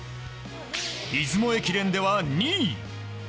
出雲駅伝では２位。